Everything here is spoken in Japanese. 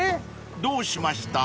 ［どうしました？］